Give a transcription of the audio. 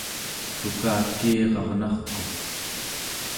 qukakiirarnarquq